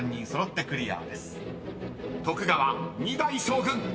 ［徳川二代将軍］